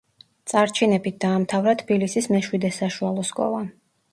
წარჩინებით დაამთავრა თბილისის მეშვიდე საშუალო სკოლა.